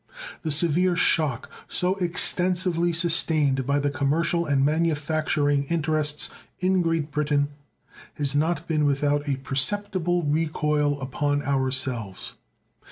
The severe shock so extensively sustained by the commercial and manufacturing interests in Great Britain has not been without a perceptible recoil upon ourselves.